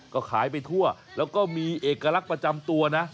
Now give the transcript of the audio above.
ก็ขายไปทั่วแล้วก็มีเอกลักษณ์ประจำตัวนะ